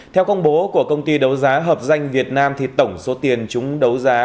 theo công bố của công ty đấu giá hợp danh việt nam thì tổng số tiền chúng đấu giá